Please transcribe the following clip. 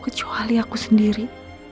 kecuali aku sendiri